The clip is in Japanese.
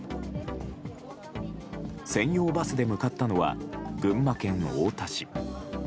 専用バスで向かったのは群馬県太田市。